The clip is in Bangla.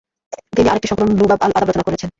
তিনি আরেকটি সংকলন লুবাব আল-আদাব রচনা করেছেন।